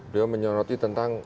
dia menyoroti tentang